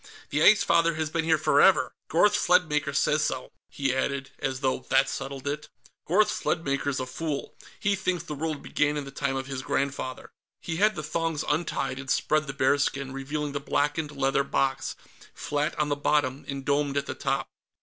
"The Ice Father has been here forever. Gorth Sledmaker says so," he added, as though that settled it. "Gorth Sledmaker's a fool. He thinks the world began in the time of his grandfather." He had the thongs untied, and spread the bearskin, revealing the blackened leather box, flat on the bottom and domed at the top.